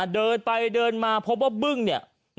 เดินไปเดินมาพบว่าบึ้งเนี่ย